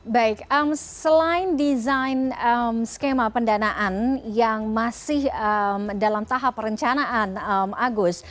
baik selain desain skema pendanaan yang masih dalam tahap perencanaan agus